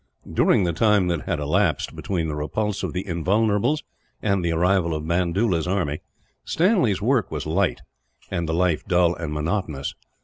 During the time that had elapsed between the repulse of the Invulnerables and the arrival of Bandoola's army, Stanley's work was light, and the life dull and monotonous.